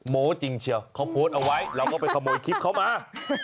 โม้จริงเชียวเขาโพสต์เอาไว้เราก็ไปขโมยคลิปเขามา